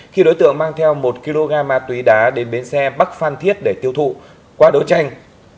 khi đối tượng mang theo một kg ma túy đá đến bến xe bắc phan thiết để tiêu thụ qua đấu tranh